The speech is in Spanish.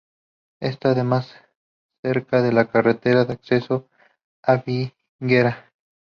Esta además cerca de la carretera de acceso a Viguera